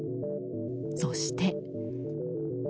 そして。